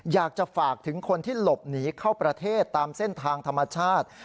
อยากจะฝากถึงคนที่หลบหนีเข้าประเทศตามเส้นทางธรรมชาติ